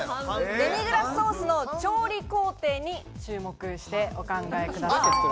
デミグラスソースの調理工程に注目してお考えください。